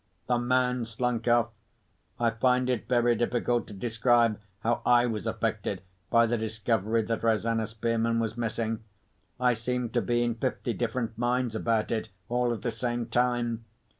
The man slunk off. I find it very difficult to describe how I was affected by the discovery that Rosanna Spearman was missing. I seemed to be in fifty different minds about it, all at the same time.